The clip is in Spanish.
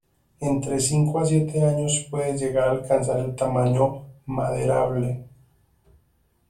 Entre cinco a siete años puede llegar a alcanzar el tamaño maderable.